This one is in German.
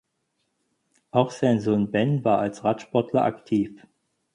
Auch sein Sohn Ben war als Radsportler aktiv.